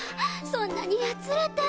そんなにやつれて。